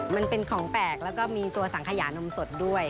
มันเป็นของแปลกแล้วก็มีตัวสังขยานมสดด้วย